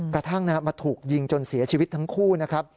กระทั่งมาถูกยิงจนเสียชีวิตทั้งคู่นะครับ